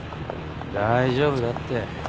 大丈夫だって。